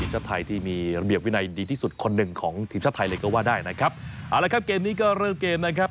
ก็จะทำกากเป็นพอรพฤตของทีมชาติไทยไปลองฟังบางตอนกันครับ